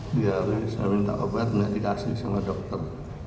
di hari ini saya minta obat tidak dikasih sama dokter